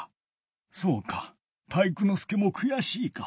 そうか体育ノ介もくやしいか。